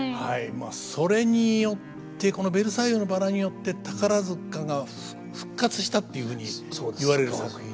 まあそれによってこの「ベルサイユのばら」によって宝塚が復活したっていうふうに言われる作品ですね。